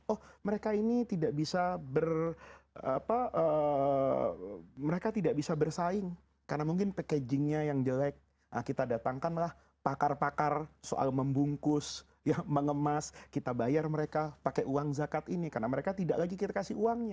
oh mereka ini tidak bisa mereka tidak bisa bersaing karena mungkin packagingnya yang jelek kita datangkanlah pakar pakar soal membungkus mengemas kita bayar mereka pakai uang zakat ini karena mereka tidak lagi kita kasih uangnya